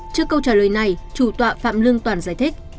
trước câu trả lời này chủ tọa phạm lương toàn giải thích